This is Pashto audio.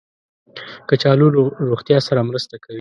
کچالو له روغتیا سره مرسته کوي